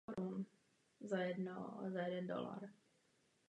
Standardních skóre je více typů s různými typickými oblastmi využití.